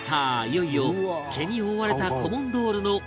いよいよ毛に覆われたコモンドールのお顔オープン！